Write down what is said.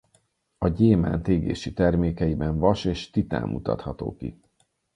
A gyémánt égési termékeiben vas és titán mutatható ki.